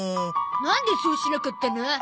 なんでそうしなかったの？